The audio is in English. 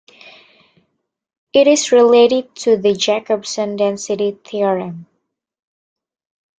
It is related to the Jacobson density theorem.